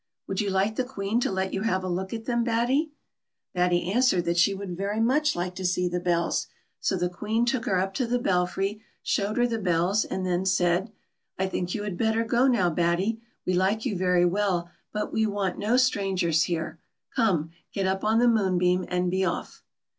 Would you like the Queen to let you have a look at them, Batty .''" Batty answered that she would very much like to see the bells, so the Queen took her up to the belfry, showed i?. / TTY. 203 her the bells, and then said, " I think you had better go now, Batt\'. We like you very well, but we want no strangers here. Come, get up on the moonbeam and be off."